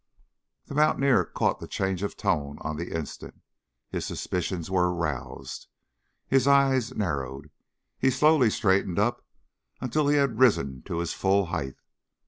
The mountaineer caught the change of tone on the instant. His suspicions were aroused. His eyes narrowed. He slowly straightened up until he had risen to his full height.